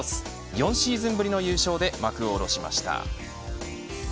４シーズンぶりの優勝で幕を下ろしました。